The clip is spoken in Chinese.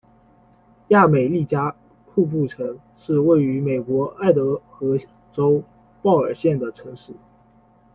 亚美利加瀑布城是一个位于美国爱达荷州鲍尔县的城市。